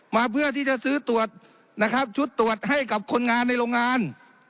มาเพื่อที่จะซื้อตรวจนะครับชุดตรวจให้กับคนงานในโรงงาน